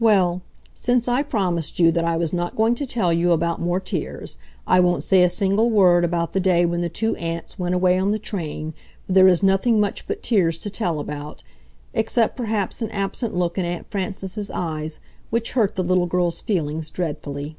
Well, since I promised you that I was not going to tell about more tears, I won't say a single word about the day when the two aunts went away on the train, for there is nothing much but tears to tell about, except perhaps an absent look in Aunt Frances's eyes which hurt the little girl's feelings dreadfully.